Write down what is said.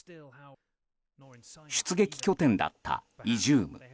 出撃拠点だったイジューム